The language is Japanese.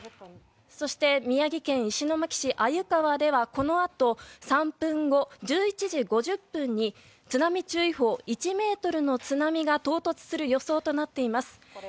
そして、宮城県石巻市鮎川ではこのあと３分後、１１時５０分に津波注意報１ｍの津波が到達する予想となっています。